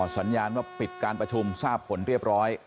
สัญญาณว่าปิดการประชุมทราบผลเรียบร้อย